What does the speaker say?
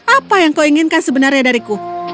apa yang kau inginkan sebenarnya dariku